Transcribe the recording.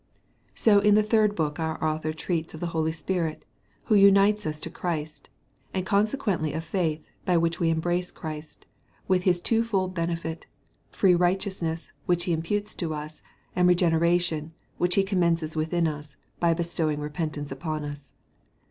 So in the third book our Author treats of the Holy Spirit, who unites us to Christ and consequently of faith, by which we embrace Christ, with his twofold benefit, free righteousness, which he imputes to us, and regeneration, which he commences within us, by bestowing repentance upon us.